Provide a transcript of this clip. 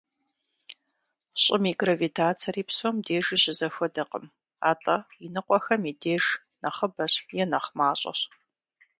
Щӏым и гравитацэри псом дежи щызэхуэдэкъым, атӏэ иныкъуэхэм и деж нэхъыбэщ е нэхъ мащӏэщ.